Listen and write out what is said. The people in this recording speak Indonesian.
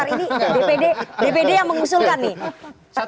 ini dpd yang mengusulkan nih